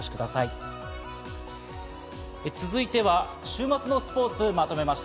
続いては、週末のスポーツまとめました。